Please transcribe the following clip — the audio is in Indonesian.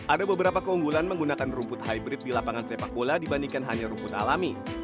ada beberapa keunggulan menggunakan rumput hybrid di lapangan sepak bola dibandingkan hanya rumput alami